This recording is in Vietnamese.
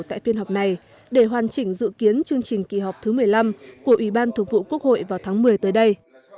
tại phiên họp này để hoàn chỉnh dự kiến chương trình kỳ họp thứ một mươi năm của ủy ban thường vụ quốc hội vào tháng một mươi tới đây